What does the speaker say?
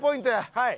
はい。